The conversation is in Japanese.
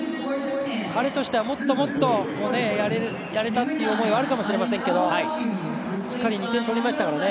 彼としてはもっともっとやれたという思いはあるかもしれませんけどしっかり、２点取りましたからね。